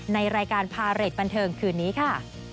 ในรายการพาเรทบันเทิงคืนนี้ค่ะ